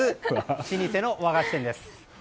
老舗の和菓子店です。